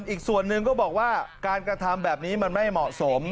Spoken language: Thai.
อีกส่วนหนึ่งก็บอกว่าการกระทำแบบนี้มันไม่เหมาะสม